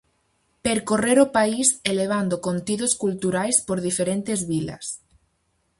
Percorrer o país e levando contidos culturais por diferentes vilas.